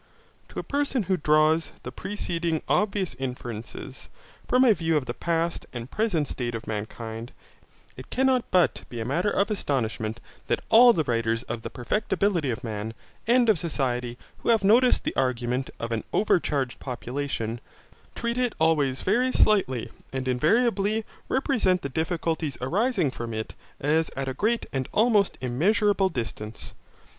To a person who draws the preceding obvious inferences, from a view of the past and present state of mankind, it cannot but be a matter of astonishment that all the writers on the perfectibility of man and of society who have noticed the argument of an overcharged population, treat it always very slightly and invariably represent the difficulties arising from it as at a great and almost immeasurable distance.